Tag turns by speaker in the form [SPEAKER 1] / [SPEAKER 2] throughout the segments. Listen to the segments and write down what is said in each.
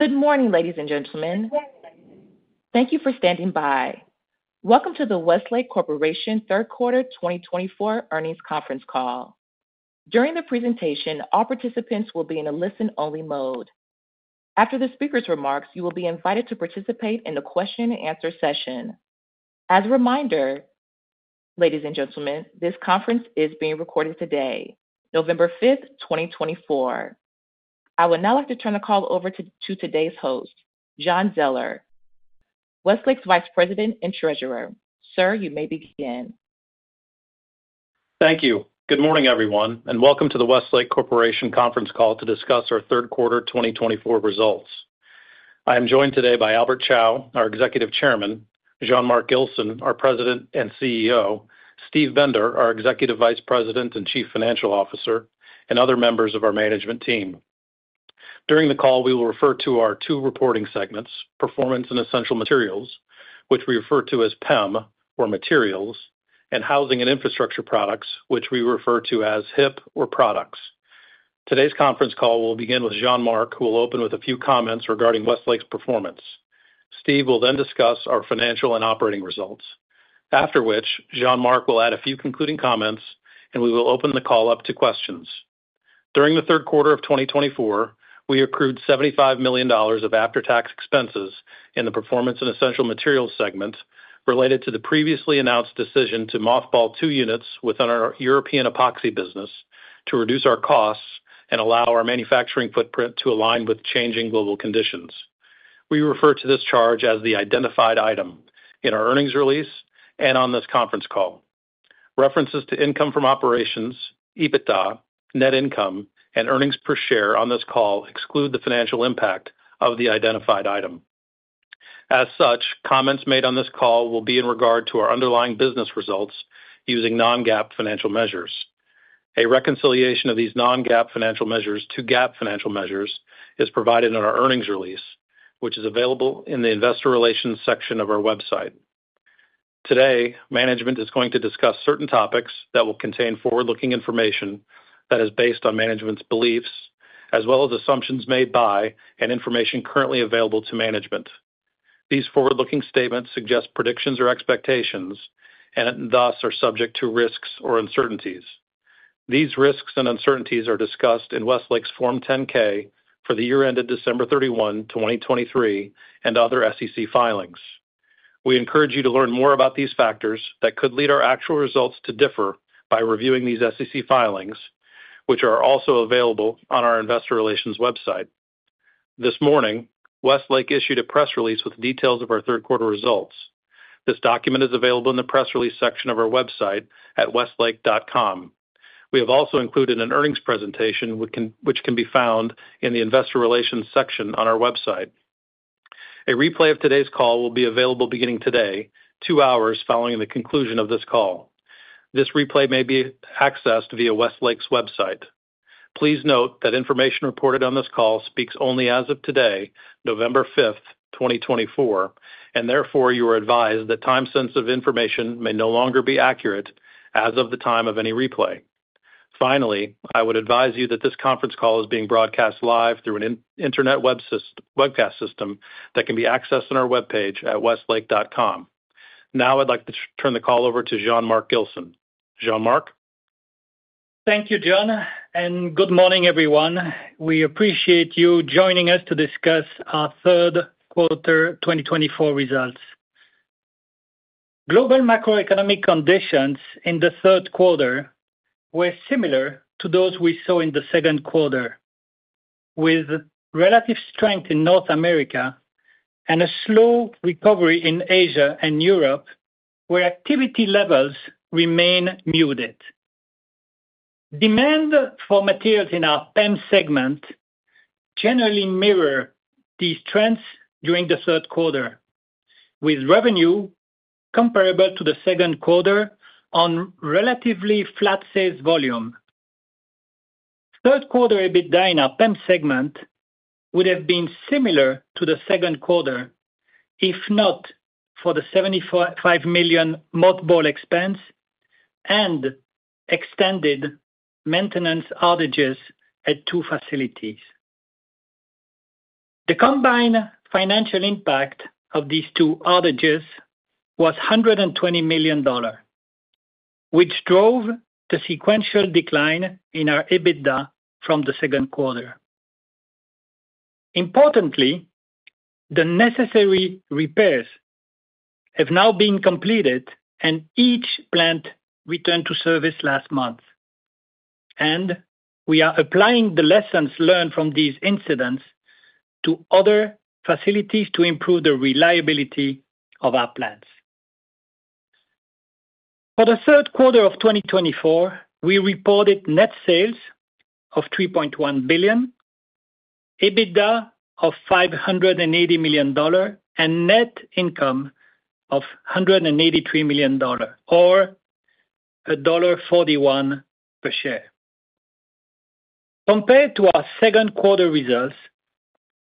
[SPEAKER 1] Good morning, ladies and gentlemen. Thank you for standing by. Welcome to the Westlake Corporation Q3 2024 Earnings Conference Call. During the presentation, all participants will be in a listen-only mode. After the speaker's remarks, you will be invited to participate in the question-and-answer session. As a reminder, ladies and gentlemen, this conference is being recorded today, November 5th, 2024. I would now like to turn the call over to today's host, John Zoeller, Westlake's Vice President and Treasurer. Sir, you may begin.
[SPEAKER 2] Thank you. Good morning, everyone, and welcome to the Westlake Corporation Conference Call to discuss our Q3 2024 results. I am joined today by Albert Chao, our Executive Chairman, Jean-Marc Gilson, our President and CEO, Steve Bender, our Executive Vice President and Chief Financial Officer, and other members of our management team. During the call, we will refer to our two reporting segments, Performance and Essential Materials, which we refer to as PEM or Materials, and Housing and Infrastructure Products, which we refer to as HIP or Products. Today's conference call will begin with Jean-Marc, who will open with a few comments regarding Westlake's performance. Steve will then discuss our financial and operating results, after which Jean-Marc will add a few concluding comments, and we will open the call up to questions. During the Q3 of 2024, we accrued $75 million of after-tax expenses in the Performance and Essential Materials segment related to the previously announced decision to mothball two units within our European epoxy business to reduce our costs and allow our manufacturing footprint to align with changing global conditions. We refer to this charge as the identified item in our earnings release and on this conference call. References to income from operations, EBITDA, net income, and earnings per share on this call exclude the financial impact of the identified item. As such, comments made on this call will be in regard to our underlying business results using non-GAAP financial measures. A reconciliation of these non-GAAP financial measures to GAAP financial measures is provided in our earnings release, which is available in the Investor Relations section of our website. Today, management is going to discuss certain topics that will contain forward-looking information that is based on management's beliefs, as well as assumptions made by and information currently available to management. These forward-looking statements suggest predictions or expectations and thus are subject to risks or uncertainties. These risks and uncertainties are discussed in Westlake's Form 10-K for the year ended December 31, 2023, and other SEC filings. We encourage you to learn more about these factors that could lead our actual results to differ by reviewing these SEC filings, which are also available on our Investor Relations website. This morning, Westlake issued a press release with details of our Q3 results. This document is available in the press release section of our website at westlake.com. We have also included an earnings presentation, which can be found in the Investor Relations section on our website. A replay of today's call will be available beginning today, two hours following the conclusion of this call. This replay may be accessed via Westlake's website. Please note that information reported on this call speaks only as of today, November 5th, 2024, and therefore you are advised that time-sensitive information may no longer be accurate as of the time of any replay. Finally, I would advise you that this conference call is being broadcast live through an internet webcast system that can be accessed on our web page at westlake.com. Now I'd like to turn the call over to Jean-Marc Gilson. Jean-Marc?
[SPEAKER 3] Thank you, John, and good morning, everyone. We appreciate you joining us to discuss our Q3 2024 results. Global macroeconomic conditions in the Q3 were similar to those we saw in the Q2, with relative strength in North America and a slow recovery in Asia and Europe, where activity levels remain muted. Demand for materials in our PEM segment generally mirrored these trends during the Q3, with revenue comparable to the Q2 on relatively flat sales volume. Q3 EBITDA in our PEM segment would have been similar to the Q2 if not for the $75 million mothball expense and extended maintenance outages at two facilities. The combined financial impact of these two outages was $120 million, which drove the sequential decline in our EBITDA from the Q2. Importantly, the necessary repairs have now been completed, and each plant returned to service last month, and we are applying the lessons learned from these incidents to other facilities to improve the reliability of our plants. For the Q3 of 2024, we reported net sales of $3.1 billion, EBITDA of $580 million, and net income of $183 million, or $1.41 per share. Compared to our Q2 results,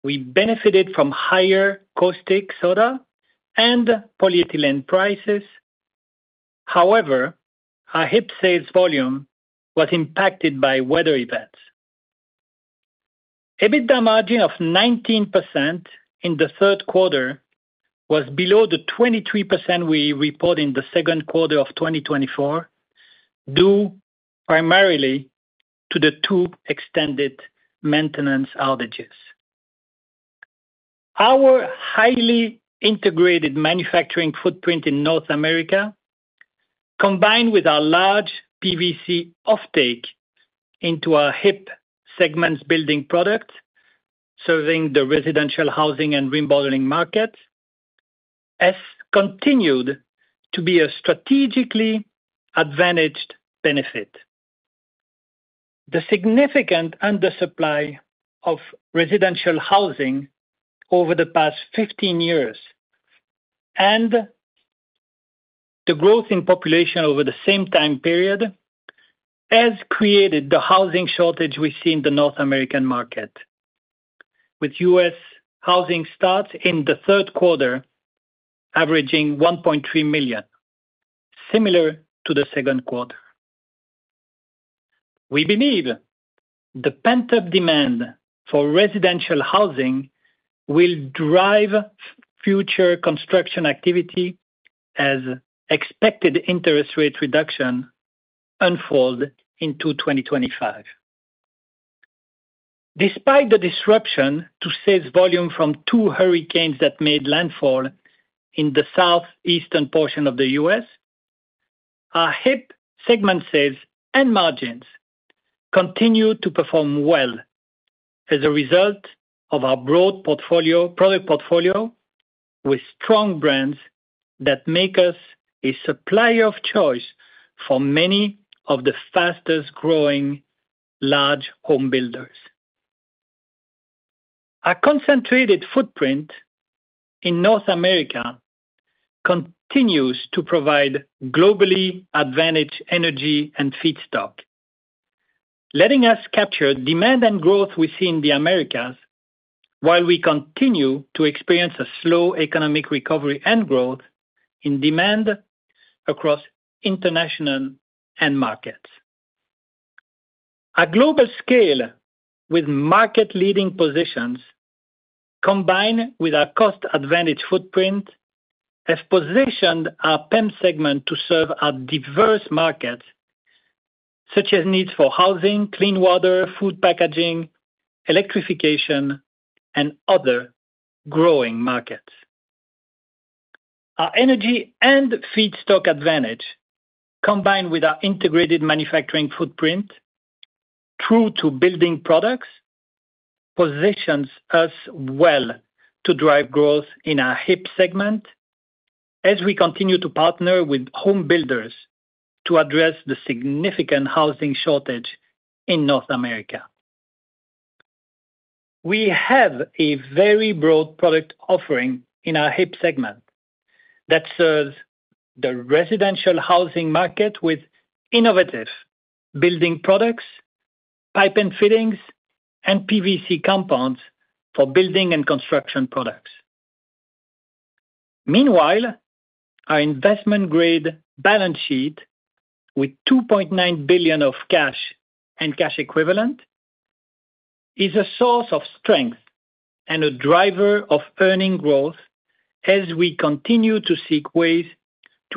[SPEAKER 3] we benefited from higher caustic soda and polyethylene prices. However, our HIP sales volume was impacted by weather events. EBITDA margin of 19% in the was below the 23% we reported in the Q2 of 2024, due primarily to the two extended maintenance outages. Our highly integrated manufacturing footprint in North America, combined with our large PVC offtake into our HIP segments building products serving the residential housing and remodeling markets, has continued to be a strategically advantaged benefit. The significant undersupply of residential housing over the past 15 years and the growth in population over the same time period has created the housing shortage we see in the North American market, with U.S. housing starts in the Q3 averaging $1.3 million, similar to the Q2. We believe the pent-up demand for residential housing will drive future construction activity as expected interest rate reduction unfolds into 2025. Despite the disruption to sales volume from two hurricanes that made landfall in the southeastern portion of the U.S., our HIP segment sales and margins continue to perform well as a result of our broad product portfolio with strong brands that make us a supplier of choice for many of the fastest-growing large home builders. Our concentrated footprint in North America continues to provide globally advantaged energy and feedstock, letting us capture demand and growth we see in the Americas while we continue to experience a slow economic recovery and growth in demand across international markets. Our global scale with market-leading positions, combined with our cost-advantage footprint, has positioned our PEM segment to serve our diverse markets, such as needs for housing, clean water, food packaging, electrification, and other growing markets. Our energy and feedstock advantage, combined with our integrated manufacturing footprint through to building products, positions us well to drive growth in our HIP segment as we continue to partner with home builders to address the significant housing shortage in North America. We have a very broad product offering in our HIP segment that serves the residential housing market with innovative building products, pipe and fittings, and PVC compounds for building and construction products. Meanwhile, our investment-grade balance sheet, with $2.9 billion of cash and cash equivalents, is a source of strength and a driver of earnings growth as we continue to seek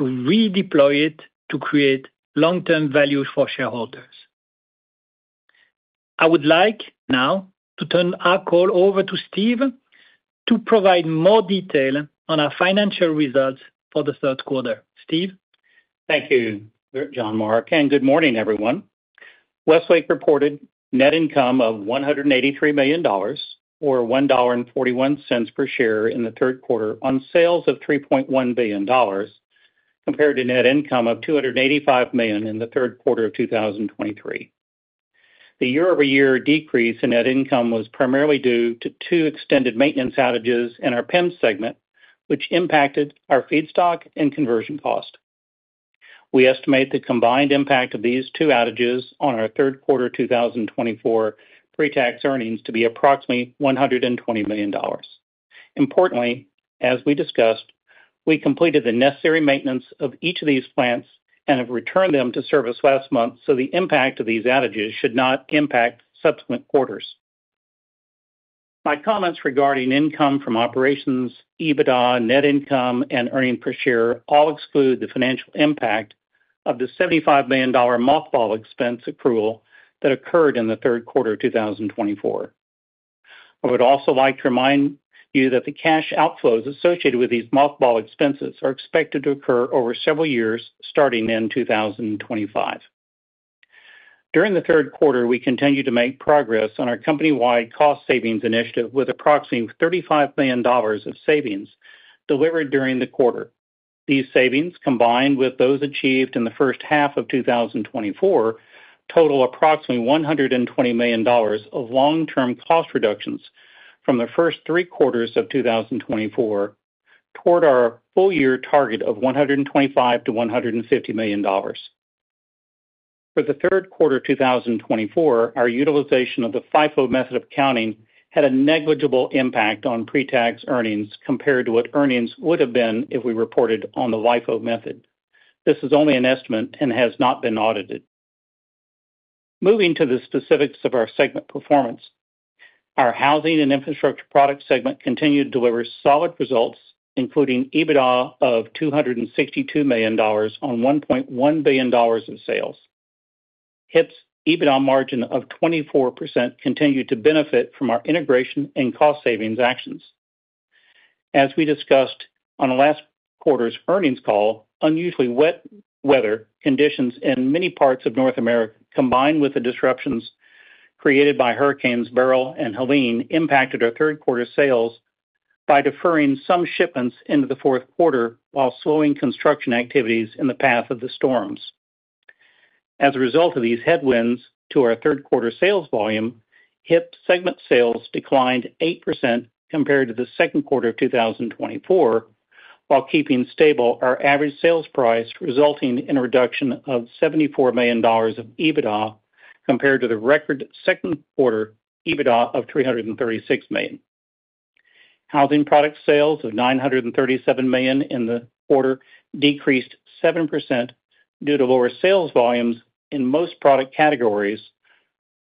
[SPEAKER 3] ways to redeploy it to create long-term value for shareholders. I would like now to turn our call over to Steve to provide more detail on our financial results for. Steve?
[SPEAKER 4] Thank you, Jean-Marc, and good morning, everyone. Westlake reported net income of $183 million, or $1.41 per share in the Q3, on sales of $3.1 billion, compared to net income of $285 million in the Q3 of 2023. The year-over-year decrease in net income was primarily due to two extended maintenance outages in our PEM segment, which impacted our feedstock and conversion cost. We estimate the combined impact of these two outages on our Q3 2024 pre-tax earnings to be approximately $120 million. Importantly, as we discussed, we completed the necessary maintenance of each of these plants and have returned them to service last month, so the impact of these outages should not impact subsequent quarters. My comments regarding income from operations, EBITDA, net income, and earnings per share all exclude the financial impact of the $75 million mothball expense accrual that occurred in the Q3 of 2024. I would also like to remind you that the cash outflows associated with these mothball expenses are expected to occur over several years, starting in 2025. During the Q3, we continue to make progress on our company-wide cost savings initiative with approximately $35 million of savings delivered during the quarter. These savings, combined with those achieved in the first half of 2024, total approximately $120 million of long-term cost reductions from the first three quarters of 2024 toward our full-year target of $125-$150 million. For the Q3 of 2024, our utilization of the FIFO method of accounting had a negligible impact on pre-tax earnings compared to what earnings would have been if we reported on the LIFO method. This is only an estimate and has not been audited. Moving to the specifics of our segment performance, our Housing and Infrastructure Products segment continued to deliver solid results, including EBITDA of $262 million on $1.1 billion of sales. HIP's EBITDA margin of 24% continued to benefit from our integration and cost savings actions. As we discussed on last quarter's earnings call, unusually wet weather conditions in many parts of North America, combined with the disruptions created by Hurricanes Beryl and Helene, impacted our Q3 sales by deferring some shipments into the Q4 while slowing construction activities in the path of the storms. As a result of these headwinds to our Q3 sales volume, HIP segment sales declined 8% compared to the Q2 of 2024, while keeping stable our average sales price, resulting in a reduction of $74 million of EBITDA compared to the record Q2 EBITDA of $336 million. Housing product sales of $937 million in the quarter decreased 7% due to lower sales volumes in most product categories,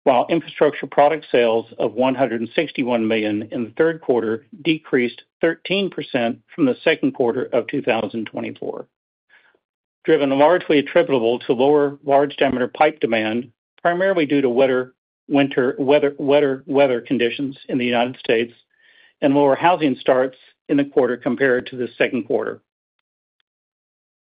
[SPEAKER 4] while infrastructure product sales of $161 million in the Q3 decreased 13% from the Q2 of 2024, driven largely attributable to lower large diameter pipe demand, primarily due to wetter weather conditions in the United States and lower housing starts in the quarter compared to the Q2.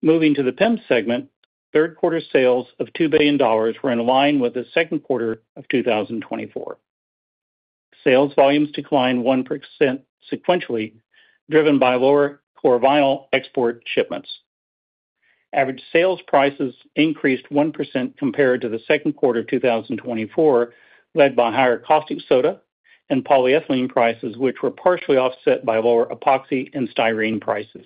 [SPEAKER 4] Moving to the PEM segment, Q3 sales of $2 billion were in line with the Q2 of 2024. Sales volumes declined 1% sequentially, driven by lower core vinyl export shipments. Average sales prices increased 1% compared to the Q2 of 2024, led by higher caustic soda and polyethylene prices, which were partially offset by lower epoxy and styrene prices.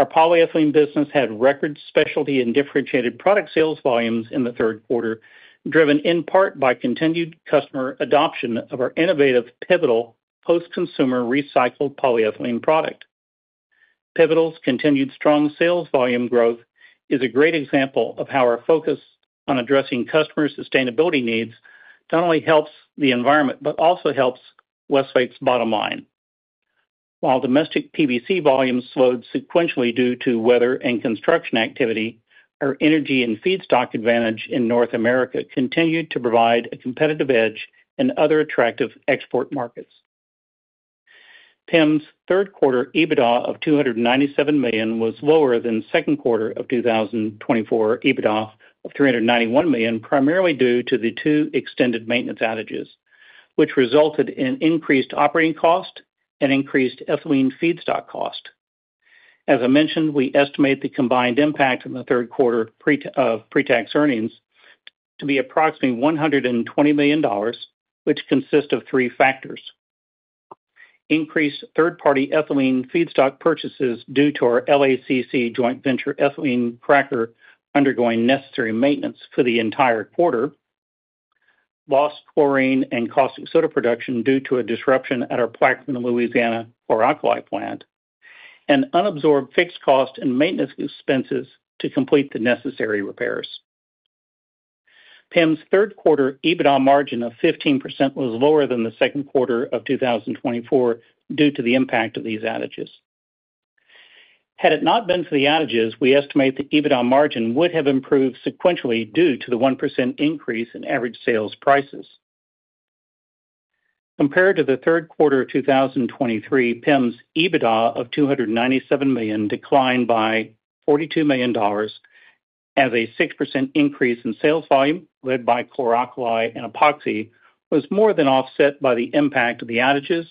[SPEAKER 4] Our polyethylene business had record specialty and differentiated product sales volumes in the Q3, driven in part by continued customer adoption of our innovative Pivotal post-consumer recycled polyethylene product. Pivotal's continued strong sales volume growth is a great example of how our focus on addressing customer sustainability needs not only helps the environment but also helps Westlake's bottom line. While domestic PVC volumes slowed sequentially due to weather and construction activity, our energy and feedstock advantage in North America continued to provide a competitive edge in other attractive export markets. PEM's Q3 EBITDA of $297 million was lower than Q2 of 2024 EBITDA of $391 million, primarily due to the two extended maintenance outages, which resulted in increased operating cost and increased ethylene feedstock cost. As I mentioned, we estimate the combined impact in the Q3 of pre-tax earnings to be approximately $120 million, which consists of three factors: increased third-party ethylene feedstock purchases due to our LACC joint venture ethylene cracker undergoing necessary maintenance for the entire quarter, lost chlorine and caustic soda production due to a disruption at our Plaquemine, Louisiana, chlor-alkali plant, and unabsorbed fixed cost and maintenance expenses to complete the necessary repairs. PEM's Q3 EBITDA margin of 15% was lower than the Q2 of 2024 due to the impact of these outages. Had it not been for the outages, we estimate the EBITDA margin would have improved sequentially due to the 1% increase in average sales prices. Compared to the Q3 of 2023, PEM's EBITDA of $297 million declined by $42 million as a 6% increase in sales volume, led by chlor-alkali and epoxy, was more than offset by the impact of the outages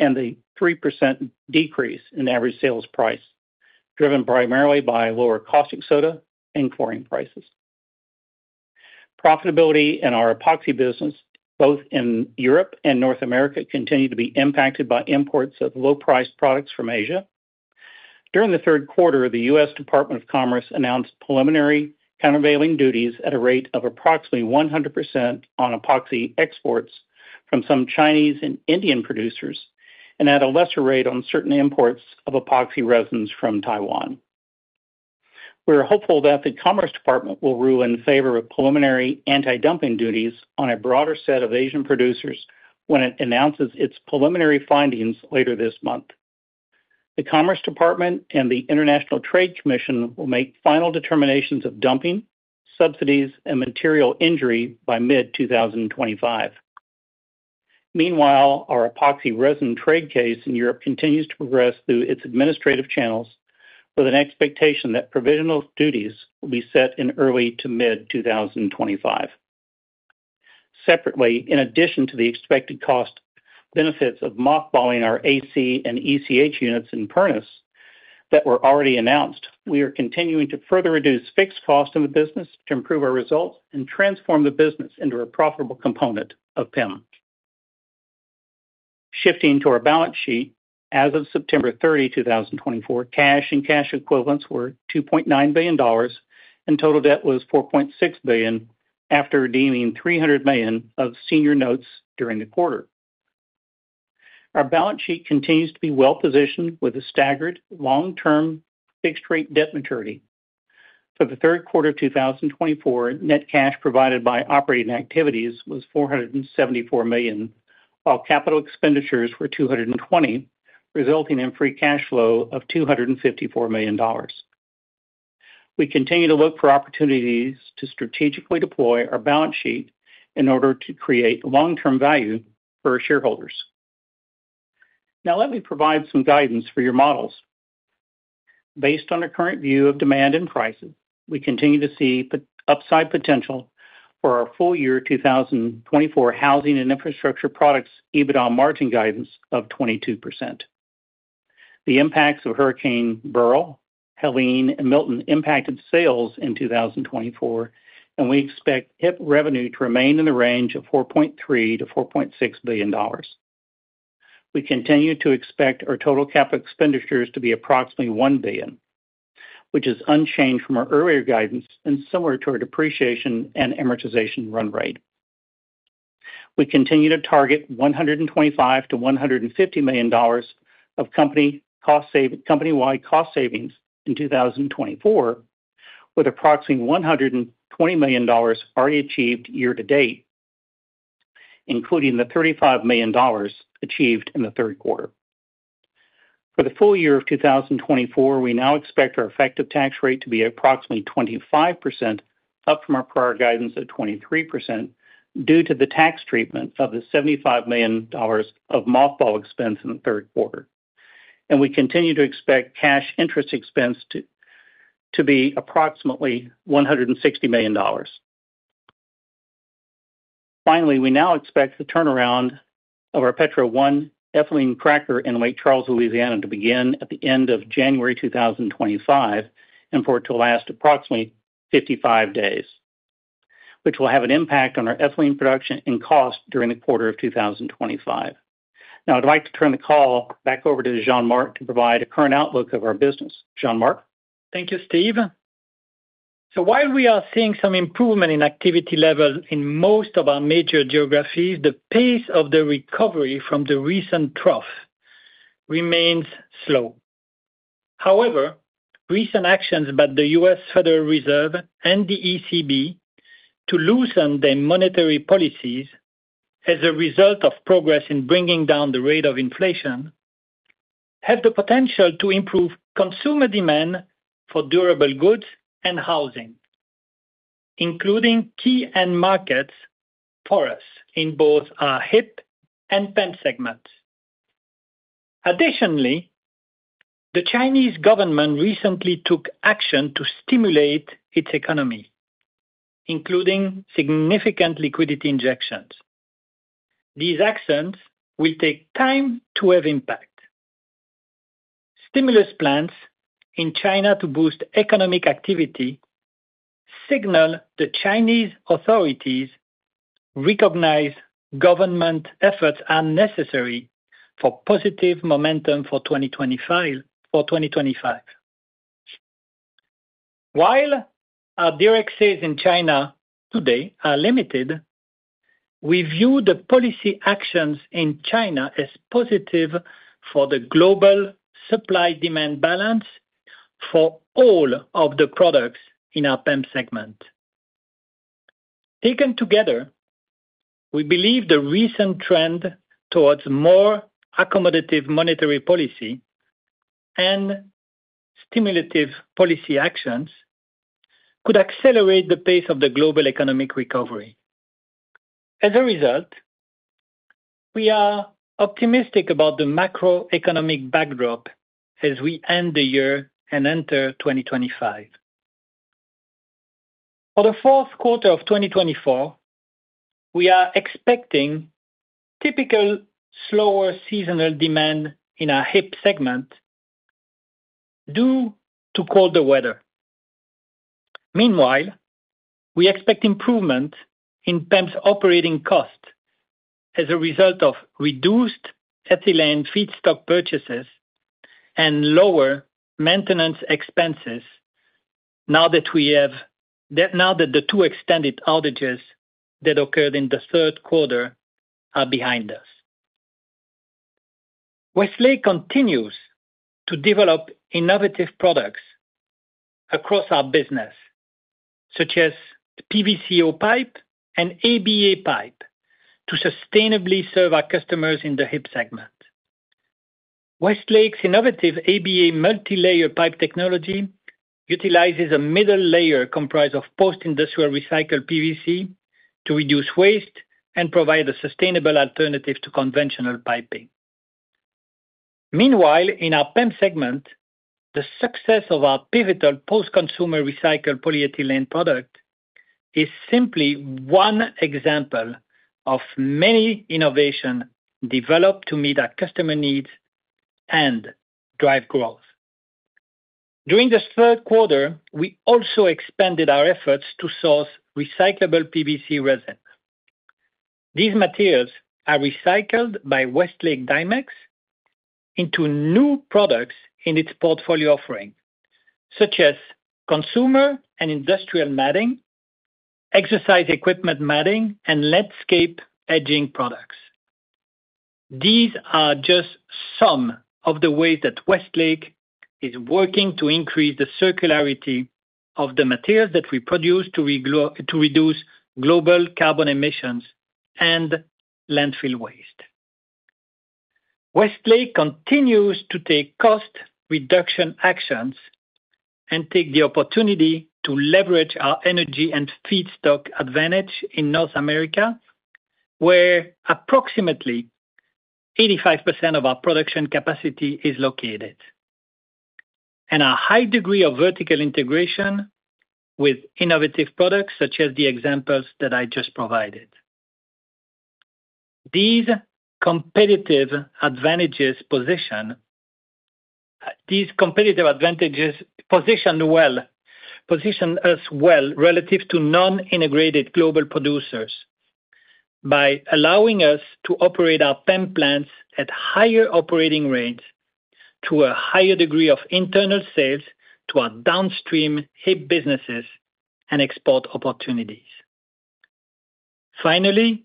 [SPEAKER 4] and the 3% decrease in average sales price, driven primarily by lower caustic soda and chlorine prices. Profitability in our epoxy business, both in Europe and North America, continued to be impacted by imports of low-priced products from Asia. During the Q3, the U.S. Department of Commerce announced preliminary countervailing duties at a rate of approximately 100% on epoxy exports from some Chinese and Indian producers and at a lesser rate on certain imports of epoxy resins from Taiwan. We are hopeful that the Commerce Department will rule in favor of preliminary anti-dumping duties on a broader set of Asian producers when it announces its preliminary findings later this month. The Commerce Department and the International Trade Commission will make final determinations of dumping, subsidies, and material injury by mid-2025. Meanwhile, our epoxy resin trade case in Europe continues to progress through its administrative channels, with an expectation that provisional duties will be set in early to mid-2025. Separately, in addition to the expected cost benefits of mothballing our AC and ECH units in Pernis that were already announced, we are continuing to further reduce fixed cost in the business to improve our results and transform the business into a profitable component of PEM. Shifting to our balance sheet, as of September 30, 2024, cash and cash equivalents were $2.9 billion, and total debt was $4.6 billion after redeeming $300 million of senior notes during the quarter. Our balance sheet continues to be well-positioned with a staggered long-term fixed-rate debt maturity. For the Q3 of 2024, net cash provided by operating activities was $474 million, while capital expenditures were $220 million, resulting in free cash flow of $254 million. We continue to look for opportunities to strategically deploy our balance sheet in order to create long-term value for our shareholders. Now, let me provide some guidance for your models. Based on our current view of demand and prices, we continue to see upside potential for our full-year 2024 housing and infrastructure products EBITDA margin guidance of 22%. The impacts of Hurricane Beryl, Helene, and Milton impacted sales in 2024, and we expect HIP revenue to remain in the range of $4.3-$4.6 billion. We continue to expect our total capital expenditures to be approximately $1 billion, which is unchanged from our earlier guidance and similar to our depreciation and amortization run rate. We continue to target $125-$150 million of company-wide cost savings in 2024, with approximately $120 million already achieved year-to-date, including the $35 million achieved in the Q3. For the full year of 2024, we now expect our effective tax rate to be approximately 25%, up from our prior guidance of 23% due to the tax treatment of the $75 million of mothball expense in the Q3. We continue to expect cash interest expense to be approximately $160 million. Finally, we now expect the turnaround of our Petro 1 ethylene cracker in Lake Charles, Louisiana, to begin at the end of January 2025 and for it to last approximately 55 days, which will have an impact on our ethylene production and cost during the quarter of 2025. Now, I'd like to turn the call back over to Jean-Marc to provide a current outlook of our business. Jean-Marc.
[SPEAKER 3] Thank you, Steve. So while we are seeing some improvement in activity level in most of our major geographies, the pace of the recovery from the recent trough remains slow. However, recent actions by the U.S. Federal Reserve and the ECB to loosen their monetary policies as a result of progress in bringing down the rate of inflation have the potential to improve consumer demand for durable goods and housing, including key end markets for us in both our HIP and PEM segments. Additionally, the Chinese government recently took action to stimulate its economy, including significant liquidity injections. These actions will take time to have impact. Stimulus plans in China to boost economic activity signal the Chinese authorities recognize government efforts are necessary for positive momentum for 2025. While our direct sales in China today are limited, we view the policy actions in China as positive for the global supply-demand balance for all of the products in our PEM segment. Taken together, we believe the recent trend towards more accommodative monetary policy and stimulative policy actions could accelerate the pace of the global economic recovery. As a result, we are optimistic about the macroeconomic backdrop as we end the year and enter 2025. For the Q4 of 2024, we are expecting typical slower seasonal demand in our HIP segment due to colder weather. Meanwhile, we expect improvement in PEM's operating cost as a result of reduced ethylene feedstock purchases and lower maintenance expenses now that the two extended outages that occurred in the Q3 are behind us. Westlake continues to develop innovative products across our business, such as PVCO pipe and ABA pipe, to sustainably serve our customers in the HIP segment. Westlake's innovative ABA multi-layer pipe technology utilizes a middle layer comprised of post-industrial recycled PVC to reduce waste and provide a sustainable alternative to conventional piping. Meanwhile, in our PEM segment, the success of our Pivotal post-consumer recycled polyethylene product is simply one example of many innovations developed to meet our customer needs and drive growth. During the Q3, we also expanded our efforts to source recyclable PVC resin. These materials are recycled by Westlake Dimex into new products in its portfolio offering, such as consumer and industrial matting, exercise equipment matting, and landscape edging products. These are just some of the ways that Westlake is working to increase the circularity of the materials that we produce to reduce global carbon emissions and landfill waste. Westlake continues to take cost reduction actions and take the opportunity to leverage our energy and feedstock advantage in North America, where approximately 85% of our production capacity is located, and a high degree of vertical integration with innovative products such as the examples that I just provided. These competitive advantages position us well relative to non-integrated global producers by allowing us to operate our PEM plants at higher operating rates to a higher degree of internal sales to our downstream HIP businesses and export opportunities. Finally,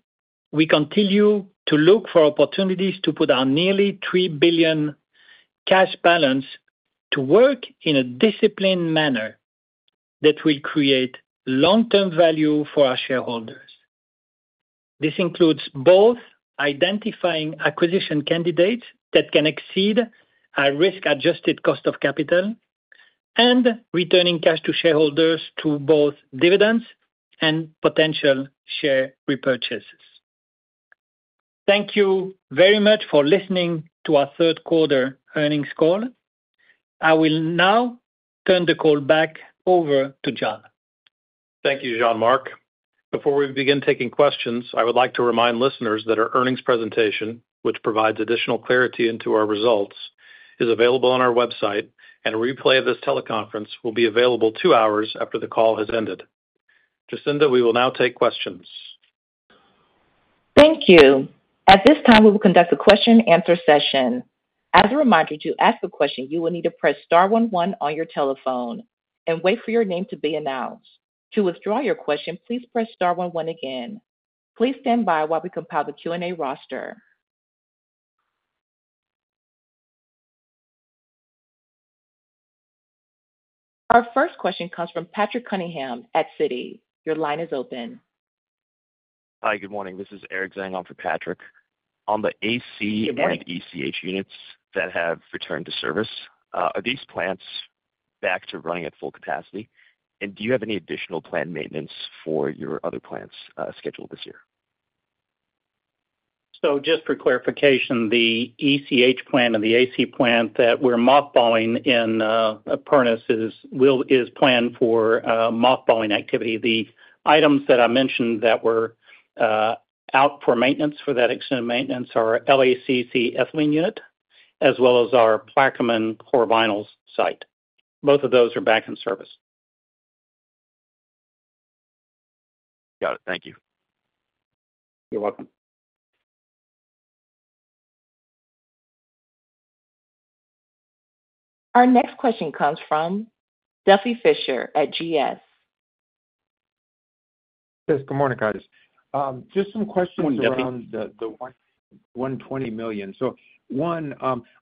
[SPEAKER 3] we continue to look for opportunities to put our nearly $3 billion cash balance to work in a disciplined manner that will create long-term value for our shareholders. This includes both identifying acquisition candidates that can exceed our risk-adjusted cost of capital and returning cash to shareholders through both dividends and potential share repurchases. Thank you very much for listening to our Q3 earnings call. I will now turn the call back over to John.
[SPEAKER 2] Thank you, Jean-Marc. Before we begin taking questions, I would like to remind listeners that our earnings presentation, which provides additional clarity into our results, is available on our website, and a replay of this teleconference will be available two hours after the call has ended. Jacinda, we will now take questions.
[SPEAKER 1] Thank you. At this time, we will conduct a question-and-answer session. As a reminder, to ask a question, you will need to press star 11 on your telephone and wait for your name to be announced. To withdraw your question, please press star 11 again. Please stand by while we compile the Q&A roster. Our first question comes from Patrick Cunningham at Citi. Your line is open.
[SPEAKER 5] Hi, good morning. This is Eric Zhang on for Patrick. On the AC and ECH units that have returned to service, are these plants back to running at full capacity? And do you have any additional plant maintenance for your other plants scheduled this year?
[SPEAKER 4] So just for clarification, the ECH plant and the AC plant that we're mothballing in Pernis is planned for mothballing activity. The items that I mentioned that were out for maintenance for that extended maintenance are LACC ethylene unit, as well as our Plaquemine core vinyls site. Both of those are back in service.
[SPEAKER 5] Got it. Thank you.
[SPEAKER 4] You're welcome.
[SPEAKER 1] Our next question comes from Duffy Fischer at Goldman Sachs.
[SPEAKER 5] Yes, good morning, guys. Just some questions around the $120 million. So one,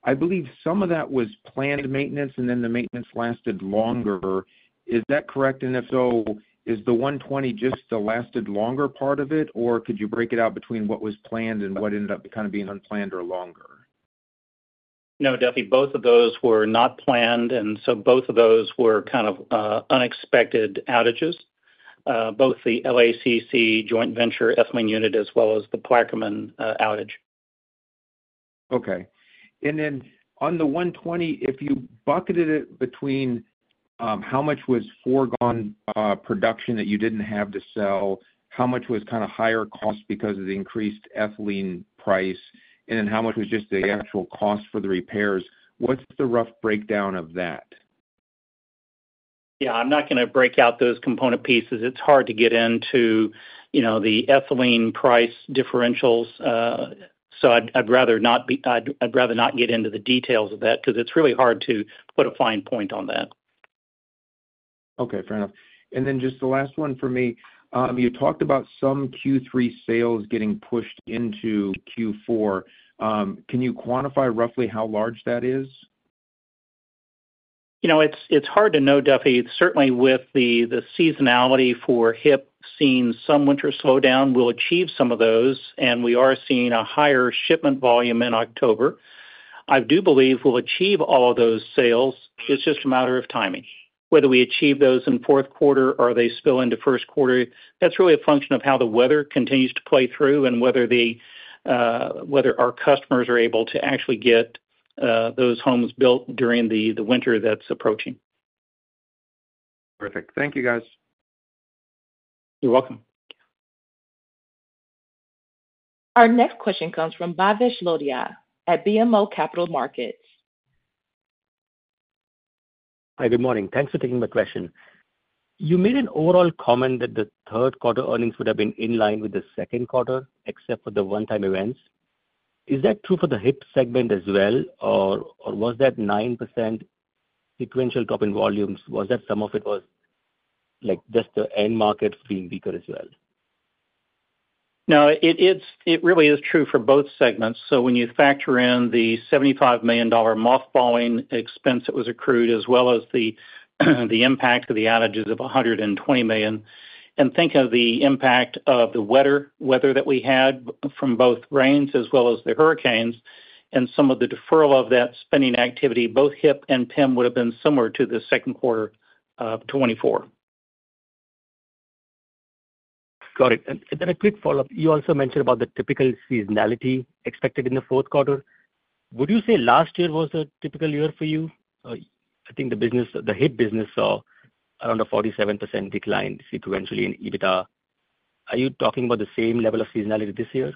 [SPEAKER 5] I believe some of that was planned maintenance, and then the maintenance lasted longer. Is that correct? And if so, is the $120 just the lasted longer part of it, or could you break it out between what was planned and what ended up kind of being unplanned or longer?
[SPEAKER 4] No, Duffy, both of those were not planned, and so both of those were kind of unexpected outages, both the LACC joint venture ethylene unit as well as the Plaquemine outage.
[SPEAKER 6] Okay. And then on the $120, if you bucketed it between how much was foregone production that you didn't have to sell, how much was kind of higher cost because of the increased ethylene price, and then how much was just the actual cost for the repairs, what's the rough breakdown of that?
[SPEAKER 4] Yeah, I'm not going to break out those component pieces. It's hard to get into the ethylene price differentials, so I'd rather not get into the details of that because it's really hard to put a fine point on that.
[SPEAKER 6] Okay, fair enough. And then just the last one for me. You talked about some Q3 sales getting pushed into Q4. Can you quantify roughly how large that is?
[SPEAKER 4] It's hard to know, Duffy. Certainly, with the seasonality for HIP, seeing some winter slowdown, we'll achieve some of those, and we are seeing a higher shipment volume in October. I do believe we'll achieve all of those sales. It's just a matter of timing. Whether we achieve those in Q4 or they spill into Q1, that's really a function of how the weather continues to play through and whether our customers are able to actually get those homes built during the winter that's approaching.
[SPEAKER 5] Perfect. Thank you, guys.
[SPEAKER 4] You're welcome.
[SPEAKER 1] Our next question comes from Bhavesh Lodaya at BMO Capital Markets.
[SPEAKER 5] Hi, good morning. Thanks for taking my question. You made an overall comment that the Q3 earnings would have been in line with the Q2, except for the one-time events. Is that true for the HIP segment as well, or was that 9% sequential drop in volumes? Was that some of it was just the end markets being weaker as well?
[SPEAKER 4] No, it really is true for both segments. So when you factor in the $75 million mothballing expense that was accrued, as well as the impact of the outages of $120 million, and think of the impact of the weather that we had from both rains as well as the hurricanes, and some of the deferral of that spending activity, both HIP and PEM would have been similar to the Q2 of 2024.
[SPEAKER 5] Got it. And then a quick follow-up. You also mentioned about the typical seasonality expected in the Q4. Would you say last year was a typical year for you? I think the HIP business saw around a 47% decline sequentially in EBITDA. Are you talking about the same level of seasonality this year?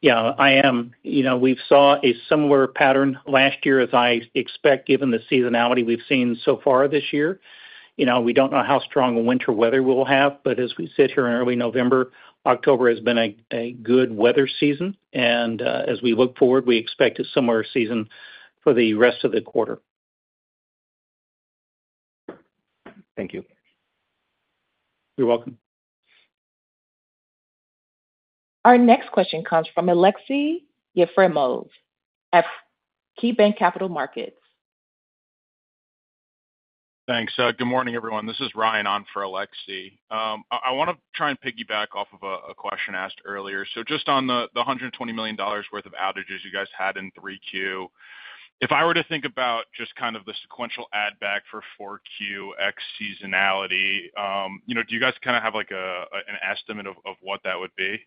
[SPEAKER 3] Yeah, I am. We've seen a similar pattern last year, as I expect, given the seasonality we've seen so far this year. We don't know how strong winter weather we'll have, but as we sit here in early November, October has been a good weather season, and as we look forward, we expect a similar season for the rest of the quarter.
[SPEAKER 5] Thank you. You're welcome.
[SPEAKER 1] Our next question comes from Alexei Yefremov at KeyBanc Capital Markets.
[SPEAKER 7] Thanks. Good morning, everyone. This is Ryan on for Alexei. I want to try and piggyback off of a question asked earlier. So just on the $120 million worth of outages you guys had in 3Q, if I were to think about just kind of the sequential add-back for 4QX seasonality, do you guys kind of have an estimate of what that would be?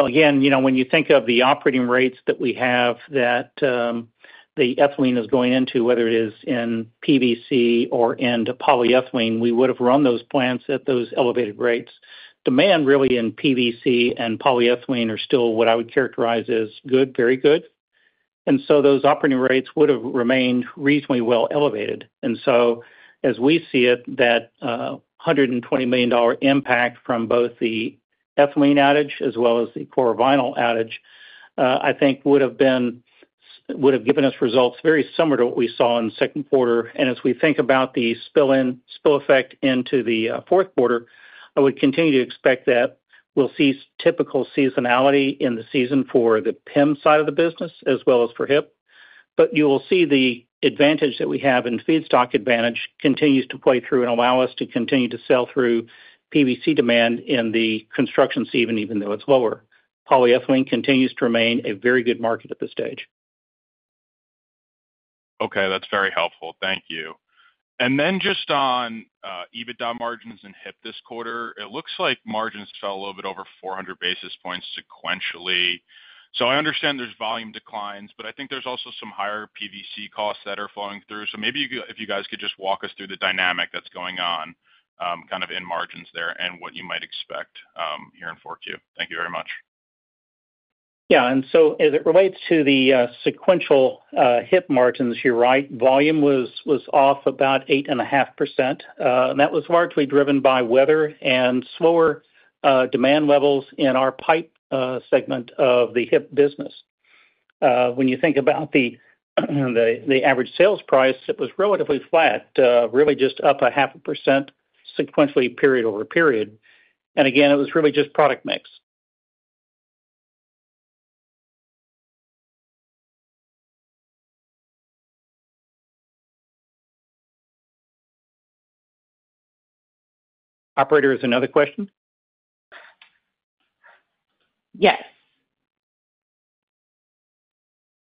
[SPEAKER 4] Again, when you think of the operating rates that we have that the ethylene is going into, whether it is in PVC or in polyethylene, we would have run those plants at those elevated rates. Demand really in PVC and polyethylene are still what I would characterize as good, very good, and so those operating rates would have remained reasonably well elevated, and so as we see it, that $120 million impact from both the ethylene outage as well as the core vinyl outage, I think, would have given us results very similar to what we saw in the Q2, and as we think about the spill effect into the Q4, I would continue to expect that we'll see typical seasonality in the season for the PEM side of the business as well as for HIP. But you will see the advantage that we have in feedstock advantage continues to play through and allow us to continue to sell through PVC demand in the construction season, even though it's lower. Polyethylene continues to remain a very good market at this stage.
[SPEAKER 7] Okay, that's very helpful. Thank you. And then just on EBITDA margins and HIP this quarter, it looks like margins fell a little bit over 400 basis points sequentially. So I understand there's volume declines, but I think there's also some higher PVC costs that are flowing through. So maybe if you guys could just walk us through the dynamic that's going on kind of in margins there and what you might expect here in 4Q? Thank you very much.
[SPEAKER 4] Yeah. And so as it relates to the sequential HIP margins here, right? Volume was off about 8.5%. And that was largely driven by weather and slower demand levels in our pipe segment of the HIP business. When you think about the average sales price, it was relatively flat, really just up 0.5% sequentially period over period. And again, it was really just product mix. Operator, is there another question?
[SPEAKER 1] Yes.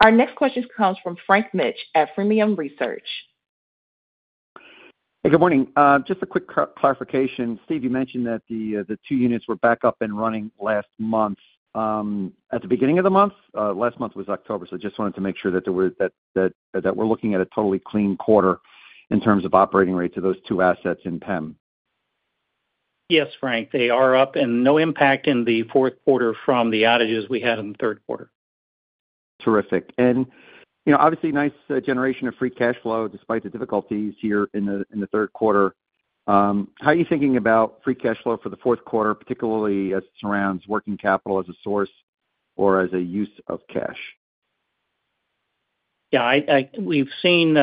[SPEAKER 1] Our next question comes from Frank Mitsch at Fermium Research.
[SPEAKER 8] Hey, good morning. Just a quick clarification. Steve, you mentioned that the two units were back up and running last month. At the beginning of the month, last month was October, so just wanted to make sure that we're looking at a totally clean quarter in terms of operating rates of those two assets in PEM.
[SPEAKER 4] Yes, Frank, they are up and no impact in the Q4 from the outages we had in the Q3.
[SPEAKER 8] Terrific. And obviously, nice generation of free cash flow despite the difficulties here in the Q3. How are you thinking about free cash flow for the Q4, particularly as it surrounds working capital as a source or as a use of cash?
[SPEAKER 3] Yeah, we've seen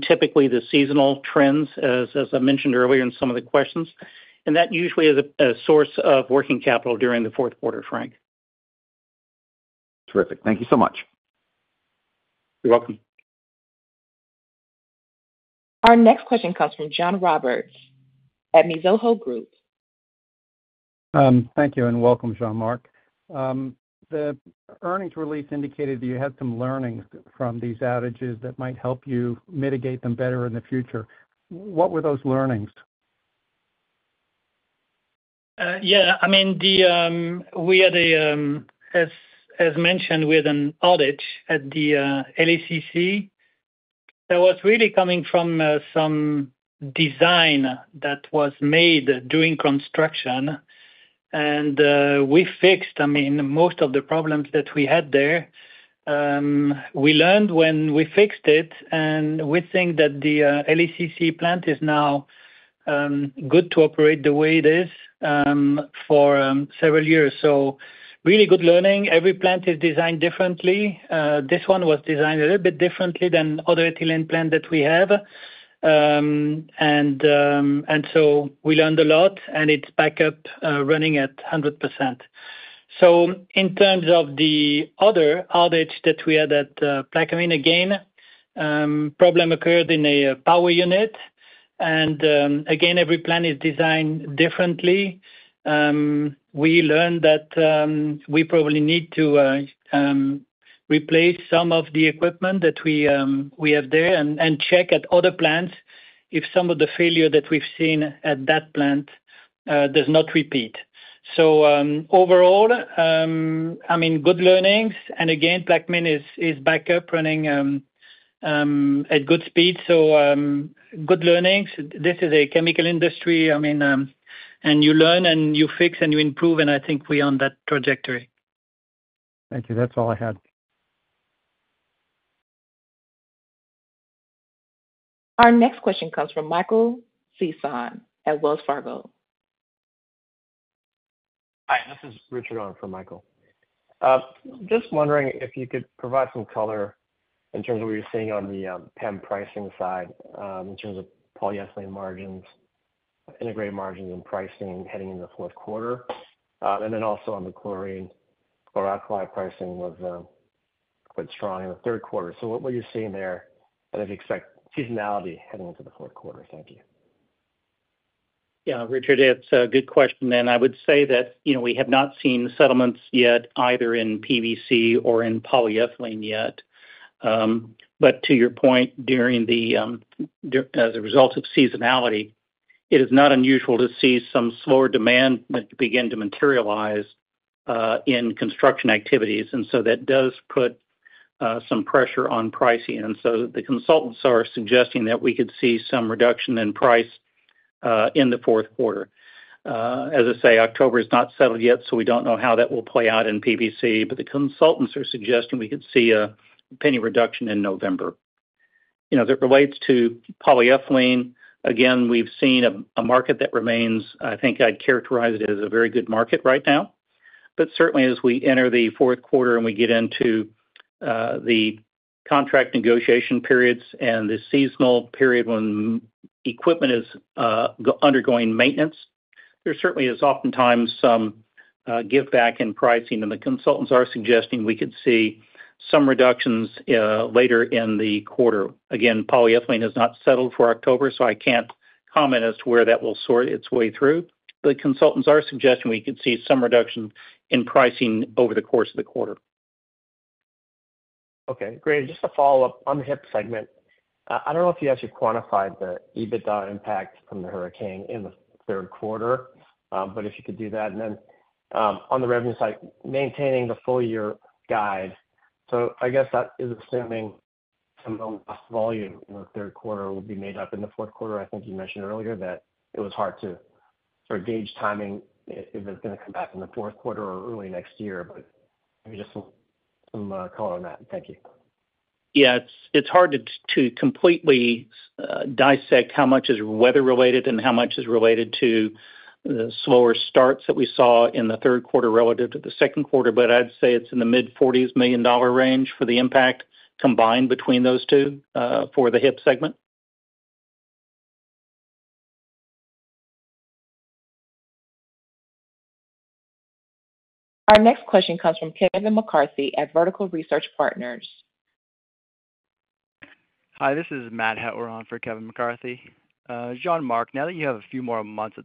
[SPEAKER 3] typically the seasonal trends, as I mentioned earlier in some of the questions, and that usually is a source of working capital during the Q4, Frank.
[SPEAKER 8] Terrific. Thank you so much.
[SPEAKER 4] You're welcome.
[SPEAKER 1] Our next question comes from John Roberts at Mizuho Group.
[SPEAKER 9] Thank you and welcome, Jean-Marc. The earnings release indicated that you had some learnings from these outages that might help you mitigate them better in the future. What were those learnings?
[SPEAKER 3] Yeah. I mean, as mentioned, we had an outage at the LACC. That was really coming from some design that was made during construction, and we fixed, I mean, most of the problems that we had there. We learned when we fixed it, and we think that the LACC plant is now good to operate the way it is for several years. So really good learning. Every plant is designed differently. This one was designed a little bit differently than other ethylene plants that we have. And so we learned a lot, and it's back up running at 100%. So in terms of the other outage that we had at Plaquemine, again, the problem occurred in a power unit. And again, every plant is designed differently. We learned that we probably need to replace some of the equipment that we have there and check at other plants if some of the failure that we've seen at that plant does not repeat, so overall, I mean, good learnings, and again, Plaquemine is back up running at good speed, so good learnings. This is a chemical industry, I mean, and you learn and you fix and you improve, and I think we are on that trajectory.
[SPEAKER 9] Thank you. That's all I had.
[SPEAKER 1] Our next question comes from Michael Sison at Wells Fargo.
[SPEAKER 10] Hi, this is Richard Arnold from Michael. Just wondering if you could provide some color in terms of what you're seeing on the PEM pricing side in terms of polyethylene margins, integrated margins, and pricing heading into the Q4. And then also on the chlorine, chlor-alkali pricing was quite strong in the Q3. So what were you seeing there that you expect seasonality heading into the Q4? Thank you.
[SPEAKER 4] Yeah, Richard, it's a good question. And I would say that we have not seen settlements yet either in PVC or in polyethylene yet. But to your point, as a result of seasonality, it is not unusual to see some slower demand begin to materialize in construction activities. And so that does put some pressure on pricing. And so the consultants are suggesting that we could see some reduction in price in the Q4. As I say, October is not settled yet, so we don't know how that will play out in PVC, but the consultants are suggesting we could see a $0.01 reduction in November. As it relates to polyethylene, again, we've seen a market that remains, I think I'd characterize it as a very good market right now. But certainly, as we enter the Q4 and we get into the contract negotiation periods and the seasonal period when equipment is undergoing maintenance, there certainly is oftentimes some give back in pricing. And the consultants are suggesting we could see some reductions later in the quarter. Again, polyethylene has not settled for October, so I can't comment as to where that will sort its way through. But consultants are suggesting we could see some reduction in pricing over the course of the quarter.
[SPEAKER 10] Okay, great. Just a follow-up on the HIP segment. I don't know if you actually quantified the EBITDA impact from the hurricane in the Q3, but if you could do that, and then on the revenue side, maintaining the full-year guide, so I guess that is assuming some of the lost volume in the Q3 will be made up in the Q4. I think you mentioned earlier that it was hard to sort of gauge timing if it's going to come back in the Q4 or early next year, but maybe just some color on that. Thank you.
[SPEAKER 4] Yeah, it's hard to completely dissect how much is weather-related and how much is related to the slower starts that we saw in the Q3 relative to the Q2, but I'd say it's in the mid-$40 million range for the impact combined between those two for the HIP segment.
[SPEAKER 1] Our next question comes from Kevin McCarthy at Vertical Research Partners.
[SPEAKER 11] Hi, this is Matt Hettler on for Kevin McCarthy. Jean-Marc, now that you have a few more months at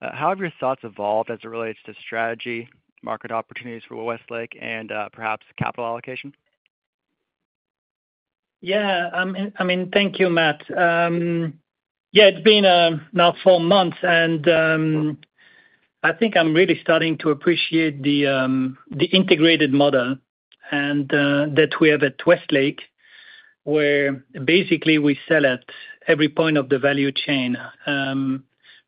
[SPEAKER 11] the helm, how have your thoughts evolved as it relates to strategy, market opportunities for Westlake, and perhaps capital allocation?
[SPEAKER 3] Yeah. I mean, thank you, Matt. Yeah, it's been now four months, and I think I'm really starting to appreciate the integrated model that we have at Westlake, where basically we sell at every point of the value chain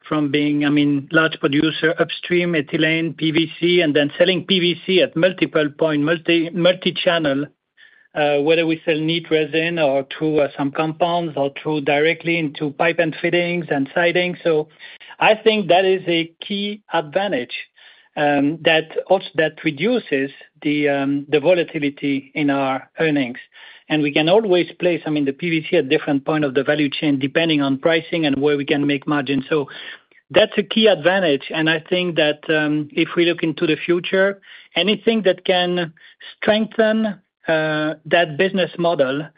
[SPEAKER 3] from being, I mean, large producer upstream ethylene, PVC, and then selling PVC at multiple point, multi-channel, whether we sell neat resin or through some compounds or through directly into pipe and fittings and siding. So I think that is a key advantage that reduces the volatility in our earnings. And we can always place, I mean, the PVC at different points of the value chain depending on pricing and where we can make margin. So that's a key advantage. And I think that if we look into the future, anything that can strengthen that business model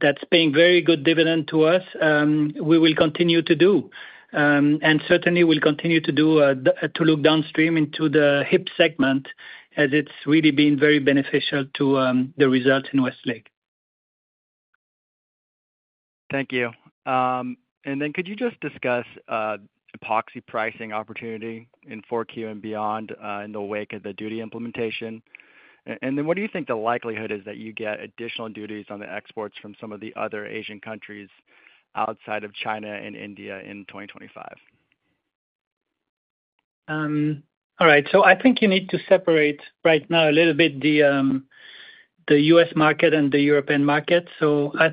[SPEAKER 3] that's paying very good dividend to us, we will continue to do. Certainly, we'll continue to look downstream into the HIP segment as it's really been very beneficial to the results in Westlake.
[SPEAKER 11] Thank you. And then could you just discuss epoxy pricing opportunity in 4Q and beyond in the wake of the duty implementation? And then what do you think the likelihood is that you get additional duties on the exports from some of the other Asian countries outside of China and India in 2025?
[SPEAKER 3] All right. So I think you need to separate right now a little bit the U.S. market and the European market. So I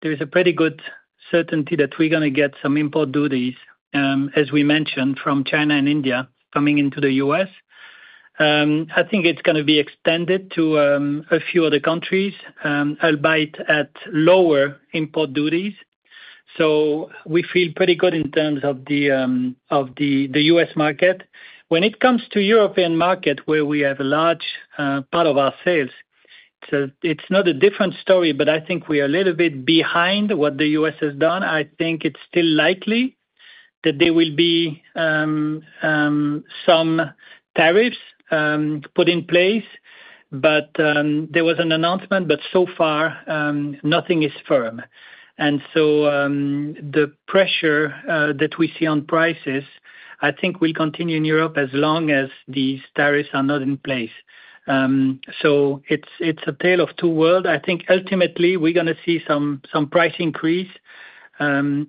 [SPEAKER 3] think there is a pretty good certainty that we're going to get some import duties, as we mentioned, from China and India coming into the U.S. I think it's going to be extended to a few other countries, albeit at lower import duties. So we feel pretty good in terms of the U.S. market. When it comes to the European market, where we have a large part of our sales, it's not a different story, but I think we are a little bit behind what the U.S. has done. I think it's still likely that there will be some tariffs put in place. But there was an announcement, but so far, nothing is firm. And so the pressure that we see on prices, I think, will continue in Europe as long as these tariffs are not in place. So it's a tale of two worlds. I think ultimately, we're going to see some price increase in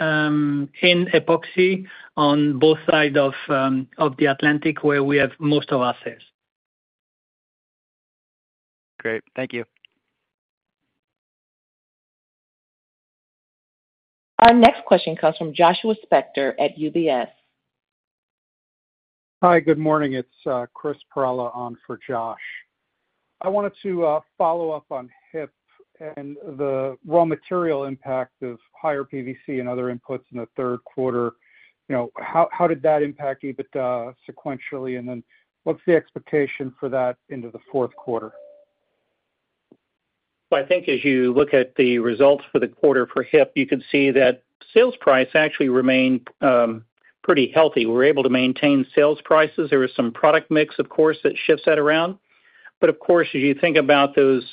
[SPEAKER 3] epoxy on both sides of the Atlantic, where we have most of our sales.
[SPEAKER 11] Great. Thank you.
[SPEAKER 1] Our next question comes from Joshua Spector at UBS.
[SPEAKER 12] Hi, good morning. It's Christopher Perella on for Josh. I wanted to follow up on HIP and the raw material impact of higher PVC and other inputs in the Q3. How did that impact EBITDA sequentially? And then what's the expectation for that into the Q4?
[SPEAKER 4] I think as you look at the results for the quarter for HIP, you can see that sales price actually remained pretty healthy. We were able to maintain sales prices. There was some product mix, of course, that shifts that around. But of course, as you think about those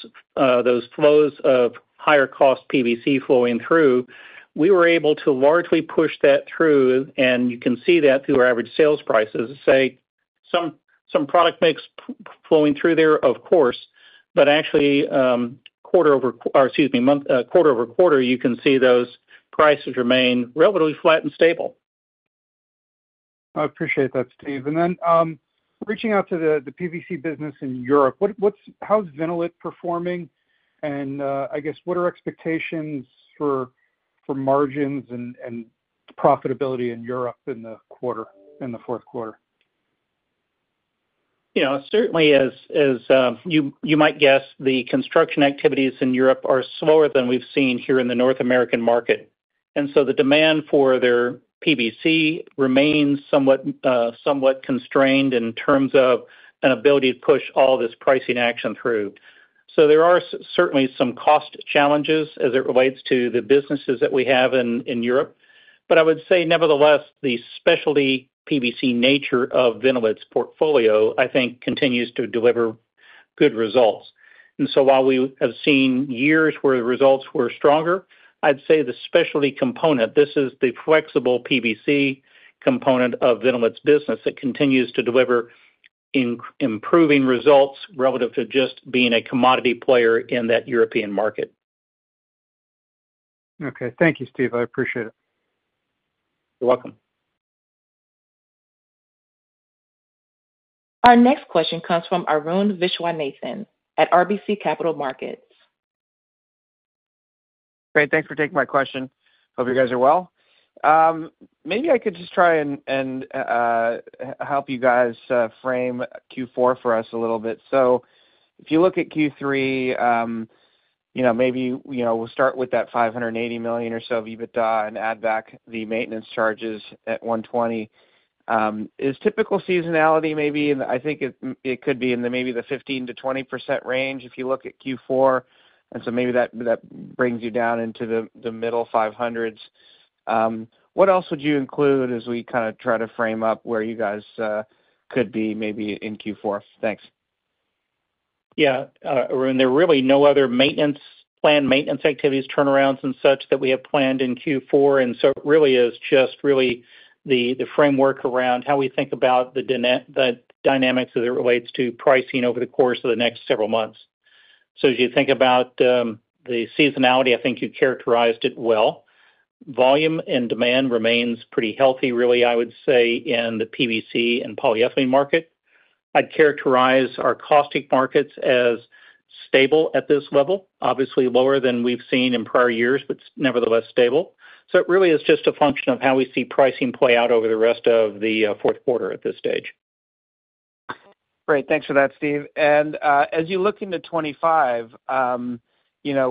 [SPEAKER 4] flows of higher cost PVC flowing through, we were able to largely push that through. And you can see that through our average sales prices. Some product mix flowing through there, of course, but actually quarter-over-quarter, you can see those prices remain relatively flat and stable.
[SPEAKER 12] I appreciate that, Steve. And then reaching out to the PVC business in Europe, how's Vinnolit performing? And I guess, what are expectations for margins and profitability in Europe in the quarter, in the Q4?
[SPEAKER 4] Yeah, certainly, as you might guess, the construction activities in Europe are slower than we've seen here in the North American market. And so the demand for their PVC remains somewhat constrained in terms of an ability to push all this pricing action through. So there are certainly some cost challenges as it relates to the businesses that we have in Europe. But I would say, nevertheless, the specialty PVC nature of Vinnolit's portfolio, I think, continues to deliver good results. And so while we have seen years where the results were stronger, I'd say the specialty component, this is the flexible PVC component of Vinnolit's business that continues to deliver improving results relative to just being a commodity player in that European market.
[SPEAKER 12] Okay. Thank you, Steve. I appreciate it.
[SPEAKER 4] You're welcome.
[SPEAKER 1] Our next question comes from Arun Viswanathan at RBC Capital Markets.
[SPEAKER 13] Great. Thanks for taking my question. Hope you guys are well. Maybe I could just try and help you guys frame Q4 for us a little bit. So if you look at Q3, maybe we'll start with that $580 million or so of EBITDA and add back the maintenance charges at $120 million. Is typical seasonality maybe? I think it could be in maybe the 15%-20% range if you look at Q4. And so maybe that brings you down into the middle $500s. What else would you include as we kind of try to frame up where you guys could be maybe in Q4? Thanks.
[SPEAKER 4] Yeah. Arun, there are really no other planned maintenance activities, turnarounds, and such that we have planned in Q4. And so it really is just really the framework around how we think about the dynamics as it relates to pricing over the course of the next several months. So as you think about the seasonality, I think you characterized it well. Volume and demand remains pretty healthy, really, I would say, in the PVC and polyethylene market. I'd characterize our caustic markets as stable at this level, obviously lower than we've seen in prior years, but nevertheless stable. So it really is just a function of how we see pricing play out over the rest of the Q4 at this stage.
[SPEAKER 13] Great. Thanks for that, Steve. As you look into 2025,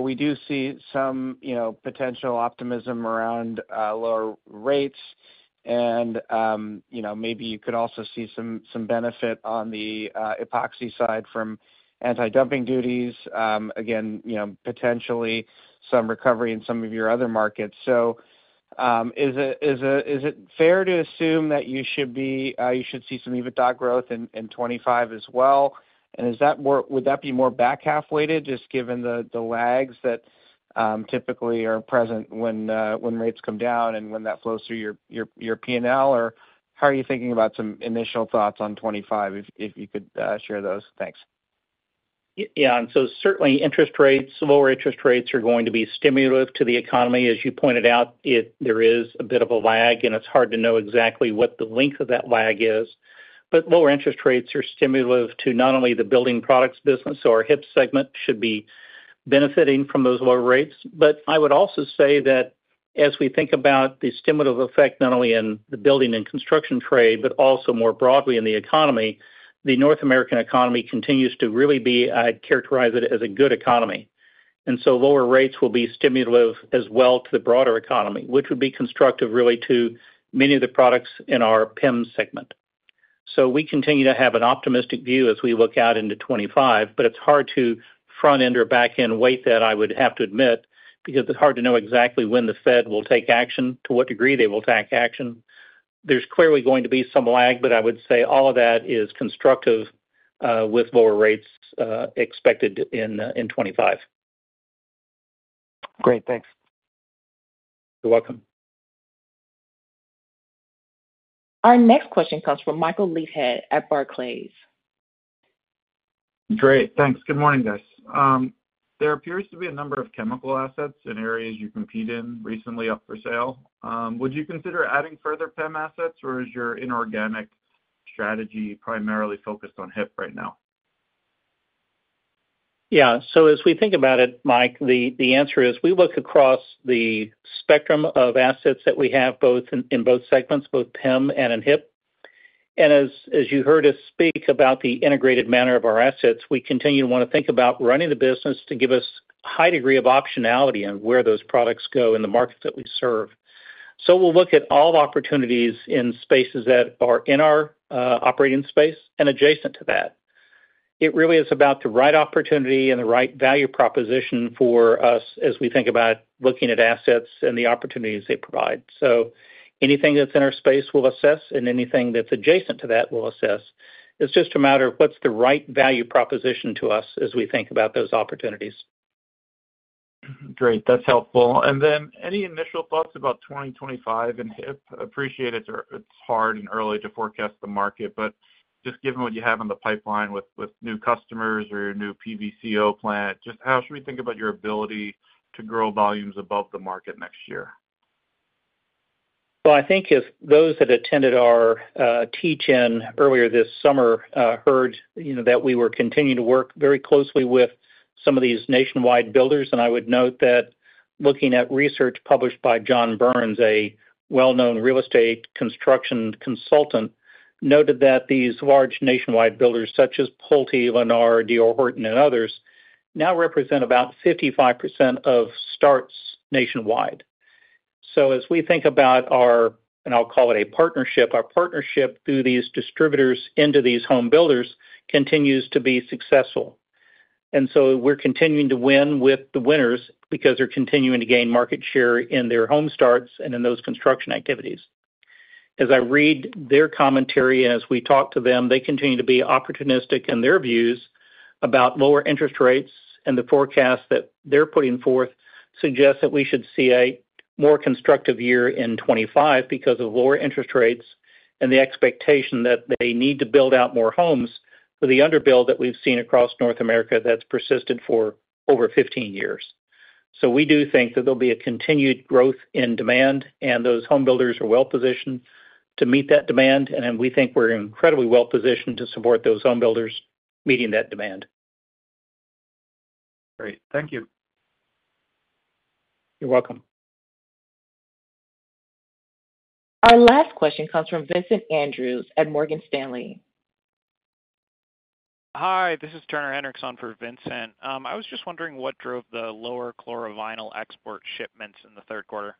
[SPEAKER 13] we do see some potential optimism around lower rates. Maybe you could also see some benefit on the epoxy side from anti-dumping duties. Again, potentially some recovery in some of your other markets. Is it fair to assume that you should see some EBITDA growth in 2025 as well? Would that be more back half-weighted just given the lags that typically are present when rates come down and when that flows through your P&L? How are you thinking about some initial thoughts on 2025 if you could share those? Thanks.
[SPEAKER 4] Yeah, and so certainly, interest rates, lower interest rates are going to be stimulative to the economy. As you pointed out, there is a bit of a lag, and it's hard to know exactly what the length of that lag is, but lower interest rates are stimulative to not only the building products business, so our HIP segment should be benefiting from those lower rates, but I would also say that as we think about the stimulative effect not only in the building and construction trade, but also more broadly in the economy, the North American economy continues to really be, I'd characterize it as a good economy, and so lower rates will be stimulative as well to the broader economy, which would be constructive really to many of the products in our PEM segment. We continue to have an optimistic view as we look out into 2025, but it's hard to front-end or back-end weight that, I would have to admit, because it's hard to know exactly when the Fed will take action, to what degree they will take action. There's clearly going to be some lag, but I would say all of that is constructive with lower rates expected in 2025.
[SPEAKER 13] Great. Thanks.
[SPEAKER 4] You're welcome.
[SPEAKER 1] Our next question comes from Michael Leithead at Barclays.
[SPEAKER 14] Great. Thanks. Good morning, guys. There appears to be a number of chemical assets in areas you compete in recently up for sale. Would you consider adding further PEM assets, or is your inorganic strategy primarily focused on HIP right now?
[SPEAKER 4] Yeah, so as we think about it, Mike, the answer is we look across the spectrum of assets that we have in both segments, both PEM and HIP, and as you heard us speak about the integrated manner of our assets, we continue to want to think about running the business to give us a high degree of optionality on where those products go in the markets that we serve, so we'll look at all opportunities in spaces that are in our operating space and adjacent to that. It really is about the right opportunity and the right value proposition for us as we think about looking at assets and the opportunities they provide, so anything that's in our space we'll assess, and anything that's adjacent to that we'll assess. It's just a matter of what's the right value proposition to us as we think about those opportunities.
[SPEAKER 14] Great. That's helpful, and then any initial thoughts about 2025 and HIP? I appreciate it's hard and early to forecast the market, but just given what you have on the pipeline with new customers or your new PVCO plant, just how should we think about your ability to grow volumes above the market next year?
[SPEAKER 4] I think as those that attended our teach-in earlier this summer heard that we were continuing to work very closely with some of these nationwide builders. I would note that looking at research published by John Burns, a well-known real estate construction consultant, noted that these large nationwide builders such as Pulte, Lennar, D.R. Horton, and others now represent about 55% of starts nationwide. As we think about our (and I'll call it a partnership) our partnership through these distributors into these home builders continues to be successful. We're continuing to win with the winners because they're continuing to gain market share in their home starts and in those construction activities. As I read their commentary and as we talk to them, they continue to be opportunistic in their views about lower interest rates, and the forecast that they're putting forth suggests that we should see a more constructive year in 2025 because of lower interest rates and the expectation that they need to build out more homes for the underbuild that we've seen across North America that's persisted for over 15 years. So we do think that there'll be a continued growth in demand, and those home builders are well-positioned to meet that demand. And we think we're incredibly well-positioned to support those home builders meeting that demand.
[SPEAKER 14] Great. Thank you.
[SPEAKER 4] You're welcome.
[SPEAKER 1] Our last question comes from Vincent Andrews at Morgan Stanley.
[SPEAKER 15] Hi. This is Turner Hendricks on for Vincent. I was just wondering what drove the lower chlorovinyls export shipments in the Q3?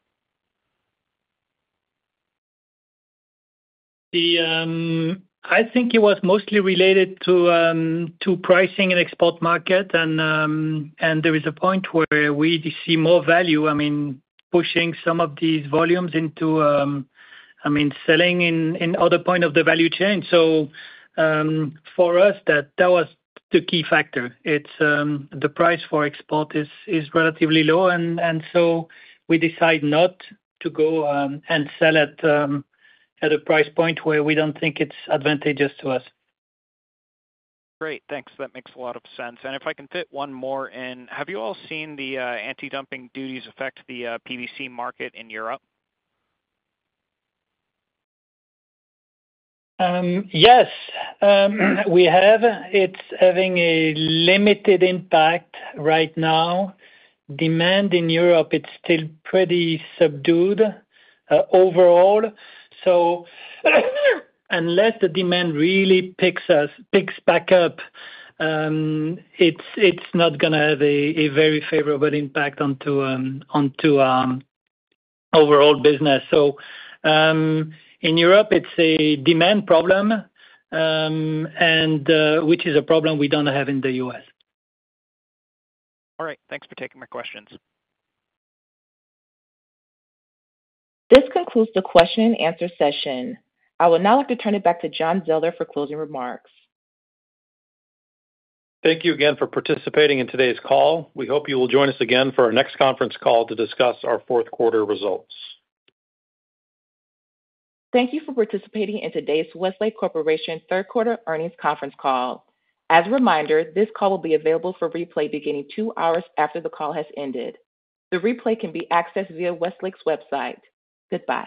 [SPEAKER 3] I think it was mostly related to pricing and export market, and there is a point where we see more value, I mean, pushing some of these volumes into, I mean, selling in other points of the value chain, so for us, that was the key factor. The price for export is relatively low, and so we decide not to go and sell at a price point where we don't think it's advantageous to us.
[SPEAKER 15] Great. Thanks. That makes a lot of sense, and if I can fit one more in, have you all seen the anti-dumping duties affect the PVC market in Europe?
[SPEAKER 3] Yes. We have. It's having a limited impact right now. Demand in Europe, it's still pretty subdued overall. So unless the demand really picks back up, it's not going to have a very favorable impact onto our overall business. So in Europe, it's a demand problem, which is a problem we don't have in the U.S.
[SPEAKER 15] All right. Thanks for taking my questions.
[SPEAKER 1] This concludes the question-and-answer session. I would now like to turn it back to John Zoeller for closing remarks.
[SPEAKER 2] Thank you again for participating in today's call. We hope you will join us again for our next conference call to discuss our Q4 results.
[SPEAKER 1] Thank you for participating in today's Westlake Corporation Q3 Earnings Conference Call. As a reminder, this call will be available for replay beginning two hours after the call has ended. The replay can be accessed via Westlake's website. Goodbye.